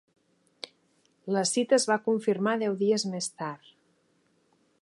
La cita es va confirmar deu dies més tard.